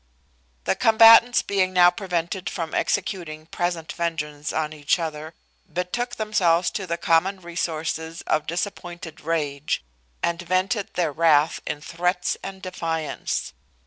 The combatants being now prevented from executing present vengeance on each other, betook themselves to the common resources of disappointed rage, and vented their wrath in threats and defiance.